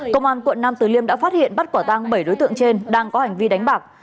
công an quận nam từ liêm đã phát hiện bắt quả tăng bảy đối tượng trên đang có hành vi đánh bạc